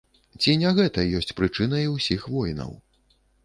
Ці не гэта ёсць прычынай усіх войнаў?